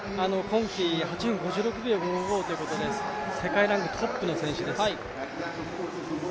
今季８分５６秒５５ということで世界ランクトップの選手です。